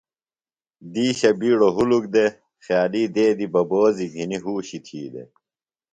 دیشہ بیڈو ہُلُک دے۔ خیالی دیدی ببوزیۡ گِھنی ہوشیۡ تھی دے۔